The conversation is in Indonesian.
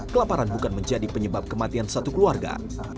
kelaparan bukan menjadi penyebab kematian satu keluarga